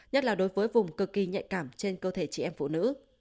nhất là đối với vùng cực kỳ nhạy cảm trên cơ thể chị em phụ nữ